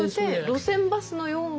路線バスのような。